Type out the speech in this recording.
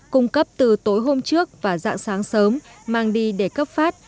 cung cấp từ tối hôm trước và dạng sáng sớm mang đi để cấp phát